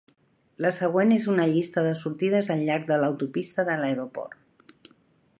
La següent és una llista de sortides al llarg de l'autopista de l'aeroport.